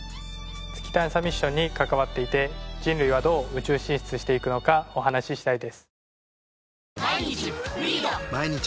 月探査ミッションに関わっていて人類はどう宇宙進出していくのかお話ししたいです。